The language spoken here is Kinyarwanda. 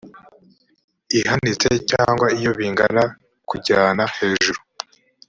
ihanitse cyangwa iyo bingana kujyana hejuru